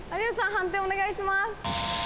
判定お願いします。